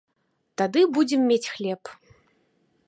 Тады будзем мець хлеб.